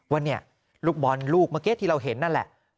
ว่าเนี่ยลูกบอลลูกเมื่อกี้ที่เราเห็นนั่นแหละ